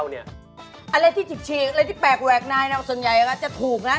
อะไรที่ฉีกอะไรที่แปลกแหวกนายส่วนใหญ่จะถูกนะ